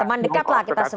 teman dekat lah kita sebut